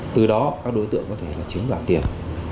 từ đó các đối tượng có thể là chiếm đoạt tiền